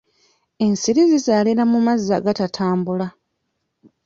Ensiri zizaalira mu mazzi agatatambula.